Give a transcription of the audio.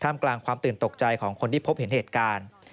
กลางความตื่นตกใจของคนที่พบเห็นเหตุการณ์